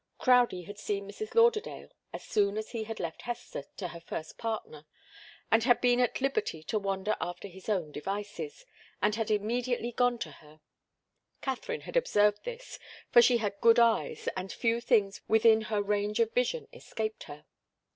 Crowdie had seen Mrs. Lauderdale as soon as he had left Hester to her first partner and had been at liberty to wander after his own devices, and had immediately gone to her. Katharine had observed this, for she had good eyes and few things within her range of vision escaped her.